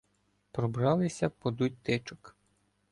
Пробралися подуть тичок.